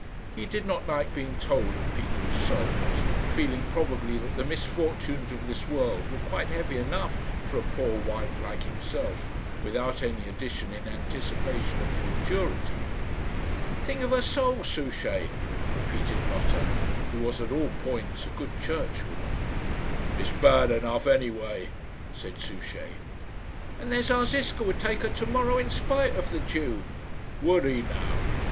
He did not like being told of people's souls, feeling probably that the misfortunes of this world were quite heavy enough for a poor wight like himself, without any addition in anticipation of futurity. "Think of her soul, Souchey," repeated Lotta, who was at all points a good churchwoman. "It's bad enough any way," said Souchey. "And there's our Ziska would take her to morrow in spite of the Jew." "Would he now?"